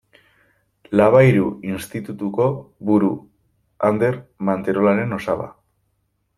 Labayru Institutuko buru Ander Manterolaren osaba.